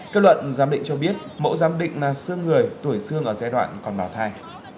kết luận giám định cho biết mẫu giám định là xương người tuổi xương ở giai đoạn còn bảo thai